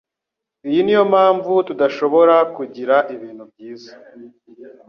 Iyi niyo mpamvu tudashobora kugira ibintu byiza.